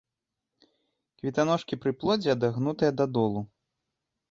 Кветаножкі пры плодзе адагнутыя дадолу.